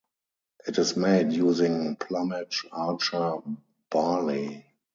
It is made using Plumage Archer barley.